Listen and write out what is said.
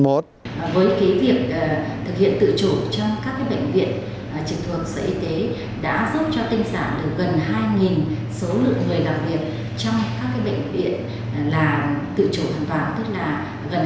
với cái việc thực hiện tự chủ trong các cái bệnh viện trực thuộc sở y tế đã giúp cho tinh giảm được gần hai số lượng người đặc biệt trong các cái bệnh viện là tự chủ hoàn toàn